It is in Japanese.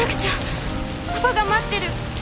パパが待ってる。